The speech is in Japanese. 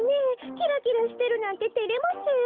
キラキラしてるなんててれますよ。